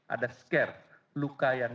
ada scare luka yang